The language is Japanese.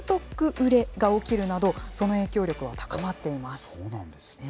売れが起きるなど、その影響力は高まっています。